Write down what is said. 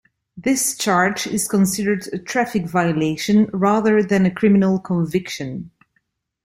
This charge is considered a traffic violation rather than a criminal conviction.